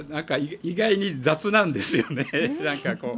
意外に雑なんですよね。